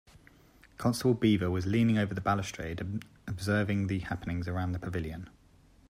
Constable Beaver was leaning over the balustrade and observing the happenings around the pavilion.